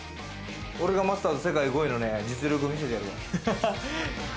俺がマスターズ世界５位の実力を見せてやるわ！